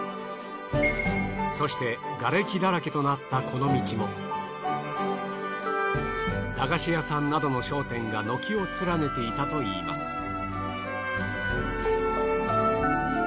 そしてガレキだらけとなったこの道も駄菓子屋さんなどの商店が軒を連ねていたといいます。